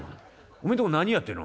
おめえんとこ何屋っていうの？」。